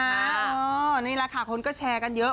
นี่แหละค่ะคนก็แชร์กันเยอะ